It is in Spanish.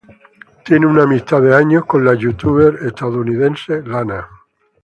Tiene una amistad de años con la youtuber estadounidense Lana.